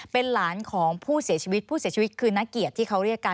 เป็นหลานของผู้เสียชีวิตผู้เสียชีวิตคือนักเกียรติที่เขาเรียกกัน